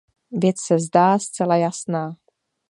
Věc se zdá zcela jasná.